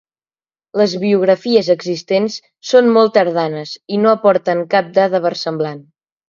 Les biografies existents són molt tardanes i no aporten cap dada versemblant.